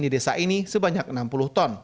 di desa ini sebanyak enam puluh ton